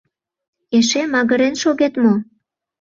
Эше магырен шогет мо?